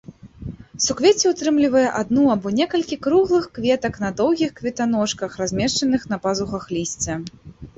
Суквецце ўтрымлівае адну або некалькі круглых кветак на доўгіх кветаножках, размешчаных на пазухах лісця.